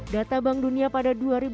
data bank dunia pada dua ribu dua puluh